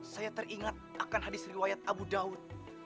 saya teringat akan hadis riwayat abu daud